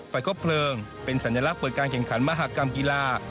ครบเพลิงเป็นสัญลักษณ์เปิดการแข่งขันมหากรรมกีฬา